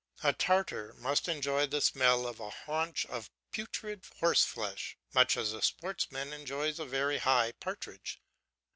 A Tartar must enjoy the smell of a haunch of putrid horseflesh, much as a sportsman enjoys a very high partridge.